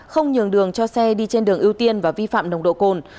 không nhường đường cho xe đi trên đường ưu tiên và vi phạm nồng độ cồn